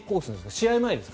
試合前ですか？